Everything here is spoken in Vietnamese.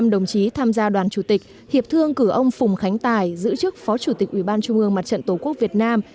năm đồng chí tham gia đoàn chủ tịch hiệp thương cử ông phùng khánh tài giữ chức phó chủ tịch ubnd mặt trận tổ quốc việt nam